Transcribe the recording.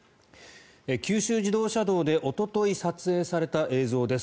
九州自動車道でおととい撮影された映像です。